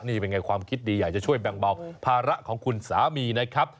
นี่เป็นไงความคิดดีอยากจะช่วยแบ่งเบาภาระของคุณสามีนะครับ